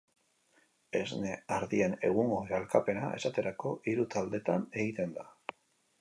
Esne ardien egungo sailkapena, esaterako, hiru taldetan egiten da.